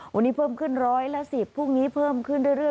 วันนี้เพิ่มขึ้นร้อยละ๑๐พรุ่งนี้เพิ่มขึ้นเรื่อย